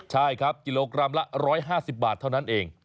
ใช่ครับกิโลกรัมละ๑๕๐บาทเท่านั้นเอง